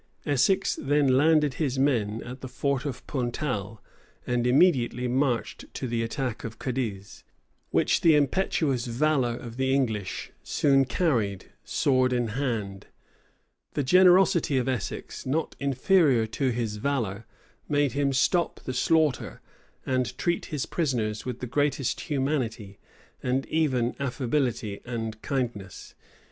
Essex then landed his men at the fort of Puntal, and immediately marched to the attack of Cadiz, which the impetuous valor of the English soon carried sword in hand. The generosity of Essex, not inferior to his valor, made him stop the slaughter, and treat his prisoners with the greatest humanity, and even affability and kindness.